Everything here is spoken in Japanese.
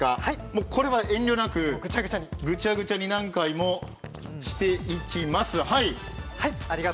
これは遠慮なくぐちゃぐちゃに何回もしていきます、はい。